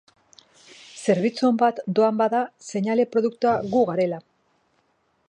Zerbitzu on bat doan bada, seinale produktua gu garela.